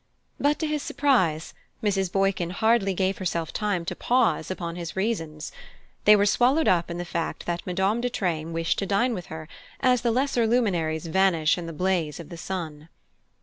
But, to his surprise, Mrs. Boykin hardly gave herself time to pause upon his reasons. They were swallowed up in the fact that Madame de Treymes wished to dine with her, as the lesser luminaries vanish in the blaze of the sun.